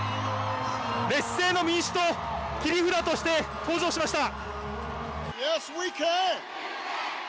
劣勢の民主党、切り札として登場しました。